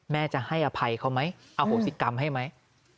แม่จะให้อภัยเขาไหมอโหสิกรรมให้ไหม